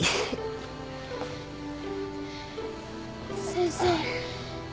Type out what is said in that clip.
先生。